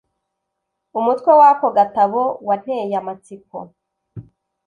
umutwe w ako gatabo wanteye amatsiko